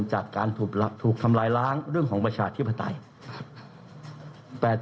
จากการถูกทำลายล้างเรื่องของประชาธิปไตย